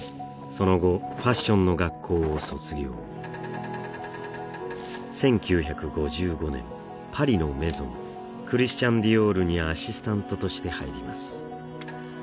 その後ファッションの学校を卒業１９５５年パリのメゾンクリスチャン・ディオールにアシスタントとして入ります